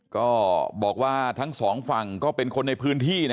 ก็บอกว่าทั้งสองฝั่งก็เป็นคนในพื้นที่นะ